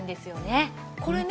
これね